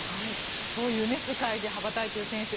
そういう世界で羽ばたいている選手